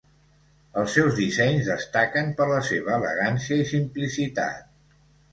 Els seus dissenys destaquen per la seva elegància i simplicitat.